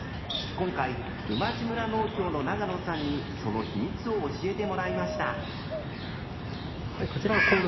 今回馬路村農協の長野さんにその秘密を教えてもらいました。